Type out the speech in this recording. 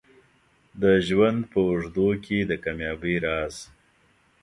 د ژوند په اوږدو کې د کامیابۍ راز